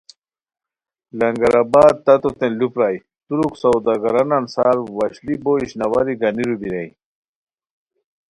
لنگرآباد تتو تین لو پرائے ترک سوداگرانان سار وشلی بو اشناواری گانیرو بیرائے